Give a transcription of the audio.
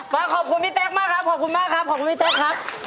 ขอบคุณพี่เต๊กมากครับขอบคุณมากครับขอบคุณพี่เต๊กครับ